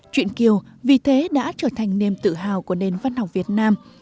chuyện kiều vì thế đã trở thành niềm tự hào của nền văn học việt nam